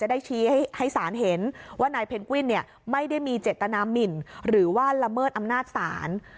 ได้ชี้ให้สารเห็นว่านายเพนกวินไม่ได้มีเจตนามินหรือว่าละเมิดอำนาจศาล